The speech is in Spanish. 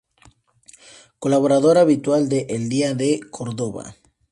Colaborador habitual de "El Día de Córdoba".